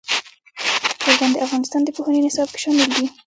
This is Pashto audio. چرګان د افغانستان د پوهنې نصاب کې شامل دي.